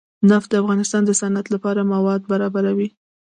نفت د افغانستان د صنعت لپاره مواد برابروي.